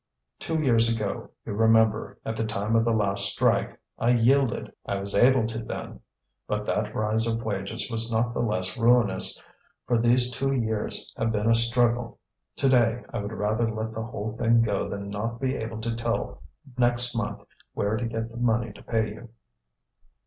Two years ago, you remember, at the time of the last strike, I yielded, I was able to then. But that rise of wages was not the less ruinous, for these two years have been a struggle. To day I would rather let the whole thing go than not be able to tell next month where to get the money to pay you."